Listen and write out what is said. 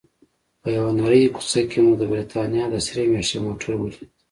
په یوې نرۍ کوڅه کې مو د بریتانیا د سرې میاشتې یو موټر ولید.